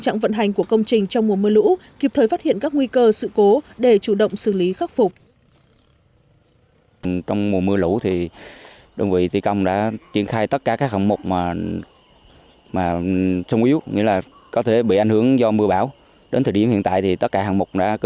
trạng vận hành của công trình trong mùa mưa lũ kịp thời phát hiện các nguy cơ sự cố để chủ động xử lý khắc phục